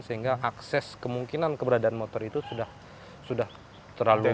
sehingga akses kemungkinan keberadaan motor itu sudah terlalu sulit